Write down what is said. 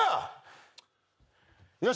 よし。